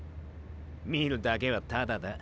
見るだけはタダだ。